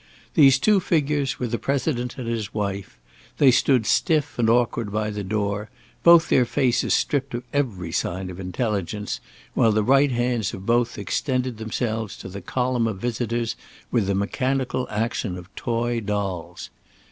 These two figures were the President and his wife; they stood stiff and awkward by the door, both their faces stripped of every sign of intelligence, while the right hands of both extended themselves to the column of visitors with the mechanical action of toy dolls.